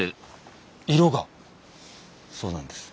そうなんです。